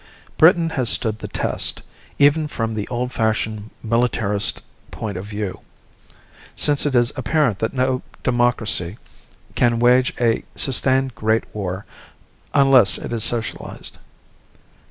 Britain has stood the test, even from the old fashioned militarist point of view, since it is apparent that no democracy can wage a sustained great war unless it is socialized.